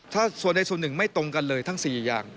ถ้าส่วนใดส่วนหนึ่งไม่ตรงกันเลยทั้ง๔อย่าง